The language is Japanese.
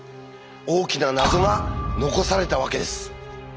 大きな謎が残されたわけです。